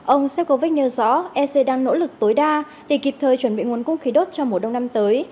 ông seecovich nêu rõ ec đang nỗ lực tối đa để kịp thời chuẩn bị nguồn cung khí đốt cho mùa đông năm tới